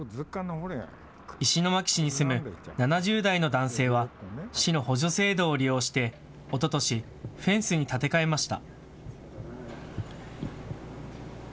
石巻市に住む７０代の男性は市の補助制度を利用しておととし、フェンスに建て替えました。